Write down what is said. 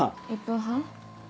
１分半。